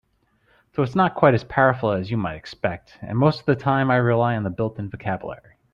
So it's not quite as powerful as you might expect, and most of the time I rely on the built-in vocabulary.